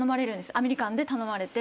アメリカンで頼まれて。